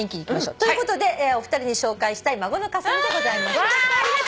ということでお二人に紹介したい孫の香澄でございました。